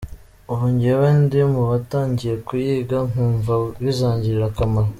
Ubu jyewe ndi mu batangiye kuyiga nkumva bizangirira akamaro.